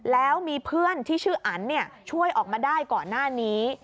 แล้วมีเพื่อนที่ชื่ออันช่วยออกมาได้ก่อนหน้านี้